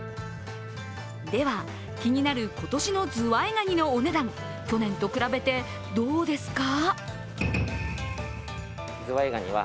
では、気になる今年のズワイガニのお値段、去年と比べてどうですか？